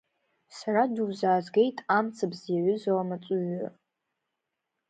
Сара дузаазгеит амцабз иаҩызоу амаҵуҩы!